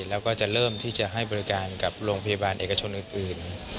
แล้วก็จะเริ่มที่จะให้บริการกับโรงพยาบาลเอกชนอื่น